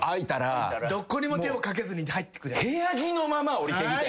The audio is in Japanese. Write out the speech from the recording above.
どこにも手をかけずに入ってくる。